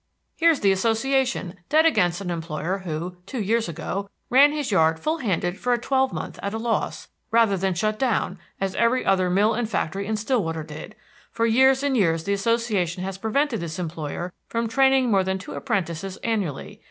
Here's the Association dead against an employer who, two years ago, ran his yard full handed for a twelvemonth at a loss, rather than shut down, as every other mill and factory in Stillwater did. For years and years the Association has prevented this employer from training more than two apprentices annually.